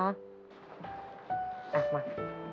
เอามา